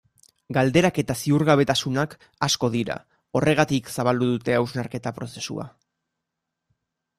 Galderak eta ziurgabetasunak asko dira, horregatik zabaldu dute hausnarketa prozesua.